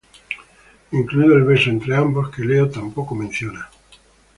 Incluido el beso entre ambos que Leo tampoco menciona.